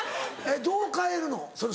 どう変えるの？